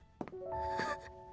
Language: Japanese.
あっ。